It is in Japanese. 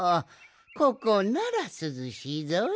ここならすずしいぞい。